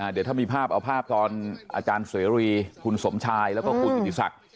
เดี๋ยวถ้ามีภาพเอาภาพตอนอาจารย์เสรีคุณสมชายแล้วก็คุณอิติศักดิ์